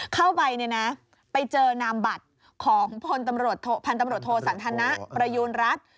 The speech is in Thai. เข้าไปเนี่ยนะไปเจอนามบัตรของพันธุ์ตำรวจโทสันทนะประยูณรัฐ